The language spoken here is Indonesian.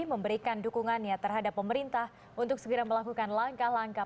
memberikan dukungannya terhadap pemerintah untuk segera melakukan langkah langkah